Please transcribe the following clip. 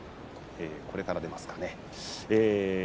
これから出ますかね